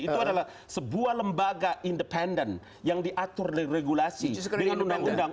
itu adalah sebuah lembaga independen yang diatur regulasi dengan undang undang